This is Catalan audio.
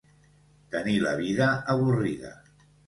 Tenir la vida avorrida.